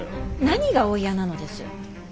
何がお嫌なのです。